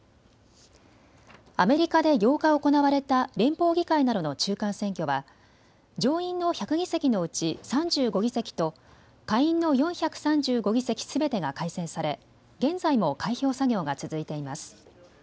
アメリカで８日行われた連邦議会などの中間選挙は上院の１００議席のうち３５議席と下院の４３５議席すべてが改選され現在も開票作業が続いています。